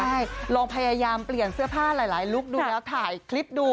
ใช่ลองพยายามเปลี่ยนเสื้อผ้าหลายลุคดูแล้วถ่ายคลิปดู